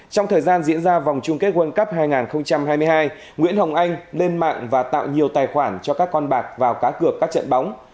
trong thời gian diễn ra vòng chung kết world cup hai nghìn hai mươi hai nguyễn hồng anh lên mạng và tạo nhiều tài khoản cho các con bạc vào cá cược các trận bóng